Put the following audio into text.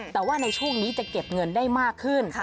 แต่ว่าในช่วงนี้จะเก็บเงินได้มากขึ้น